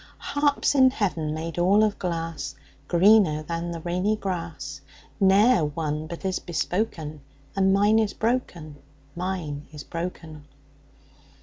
Harps in heaven, made all of glass, Greener than the rainy grass. Ne'er a one but is bespoken, And mine is broken mine is broken!